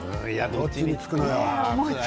どっちにつくのよ。